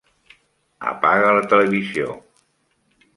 Apaga la televisió.